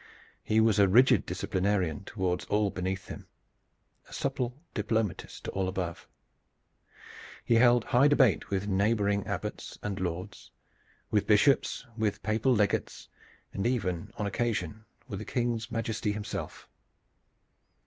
He was a rigid disciplinarian toward all beneath him, a supple diplomatist to all above. He held high debate with neighboring abbots and lords, with bishops, with papal legates, and even on occasion with the King's majesty himself.